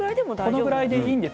このぐらいでいいんです。